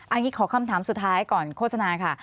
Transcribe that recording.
อันนี้ขอคำถามสุดท้ายก่อนโฆษณาค่ะ